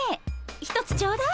１つちょうだい。